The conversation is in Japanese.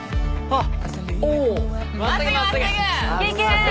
あっ。